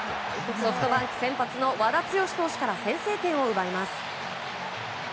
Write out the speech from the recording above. ソフトバンク先発の和田毅投手から先制点を奪います。